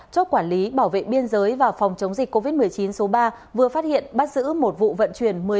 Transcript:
chốt quản lý bảo vệ biên giới và phòng chống dịch covid một mươi chín số ba vừa phát hiện bắt giữ một vụ vận chuyển